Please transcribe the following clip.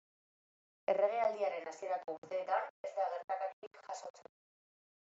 Erregealdiaren hasierako urteetan ez da gertakaririk jasotzen.